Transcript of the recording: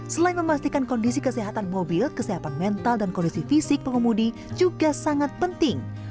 selain memastikan kondisi kesehatan mobil kesehatan mental dan kondisi fisik pengemudi juga sangat penting